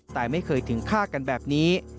แต่ไม่เคยถึงฆ่ากันแบบนี้